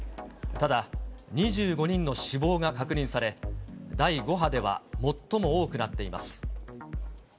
ただ、２５人の死亡が確認され、第５波では最も多くなっています。